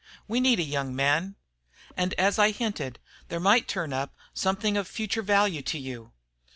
We need a young man. And as I hinted, there might turn up something of future value to you."